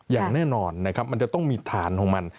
อย่างแน่นอนนะครับมันจะต้องมีฐานของมัน